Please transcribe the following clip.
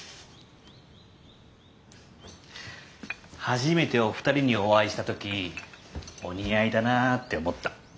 初めてお二人にお会いした時お似合いだなって思った。